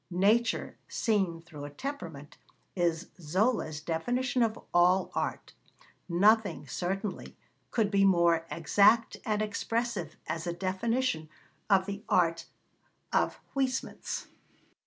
'Nature seen through a temperament' is Zola's definition of all art. Nothing, certainly, could be more exact and expressive as a definition of the art of Huysmans.